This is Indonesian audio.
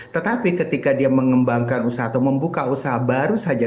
tetapi ketika dia mengembangkan usaha atau membuka usaha baru saja